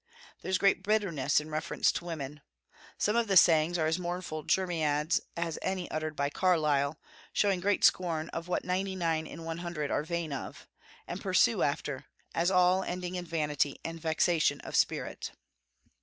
There is great bitterness in reference to women. Some of the sayings are as mournful jeremiads as any uttered by Carlyle, showing great scorn of what ninety nine in one hundred are vain of, and pursue after, as all ending in vanity and vexation of spirit.